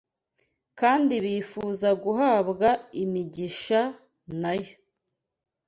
kandi bifuza guhabwa imigisha na Yo